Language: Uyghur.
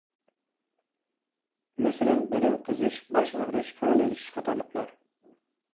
مەسىلەن بەدەن قىزىش، باش ئاغرىش، كۆڭۈل ئىلىشىش قاتارلىقلار.